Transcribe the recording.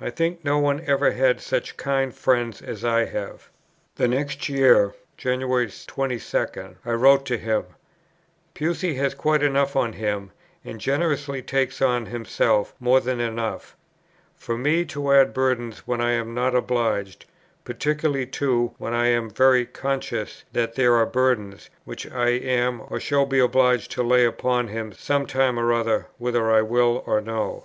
I think no one ever had such kind friends as I have." The next year, January 22, I wrote to him: "Pusey has quite enough on him, and generously takes on himself more than enough, for me to add burdens when I am not obliged; particularly too, when I am very conscious, that there are burdens, which I am or shall be obliged to lay upon him some time or other, whether I will or no."